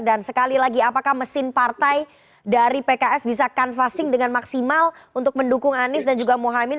dan sekali lagi apakah mesin partai dari pks bisa kanvasing dengan maksimal untuk mendukung anies dan juga muhammad haimin